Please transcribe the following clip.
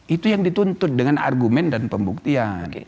itu yang dituntut dengan argumen dan pembuktian